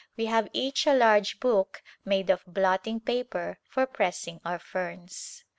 We have each a large book made of blotting paper for pressing our ferns.